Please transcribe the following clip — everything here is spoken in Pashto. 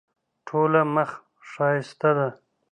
ټوله مخ ښایسته ده.